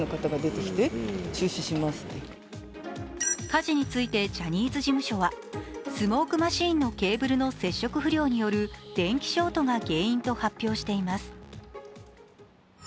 火事についてジャニーズ事務所は、スモークマシーンのケーブルの接触不良による電気ショートが原因と発表しています。